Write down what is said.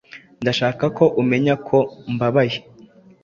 Ndashaka ko umenya uko mbabaye.